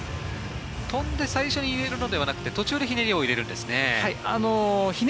飛んで最初に入れるのではなくて途中でひねりを入れるんですね。